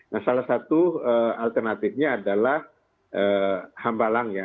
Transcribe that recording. nah salah satu alternatifnya adalah hamba lang ya